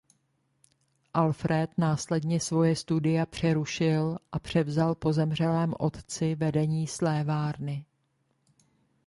Alfred následně svoje studia přerušil a převzal po zemřelém otci vedení slévárny.